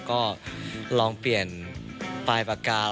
ก็ลองเปลี่ยนปลายปากกา